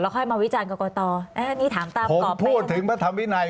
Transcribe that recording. แล้วค่อยมาวิจารณ์กรกฎต่อผมพูดถึงพระธรรมวินัย